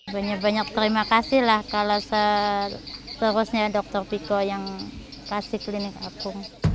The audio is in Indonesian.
banyak banyak terima kasih lah kalau seterusnya dr piko yang kasih klinik aku